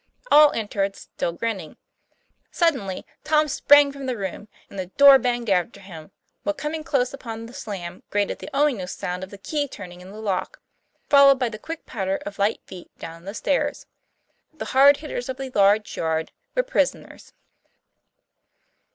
All entered, still grinning. Suddenly, Tom sprang from the room, and the door banged after him, while coming close upon the slam grated the ominous sound of the key turning in the lock, followed by the quick patter of light feet down the stairs. The hard hitters of the large yard were prisoners.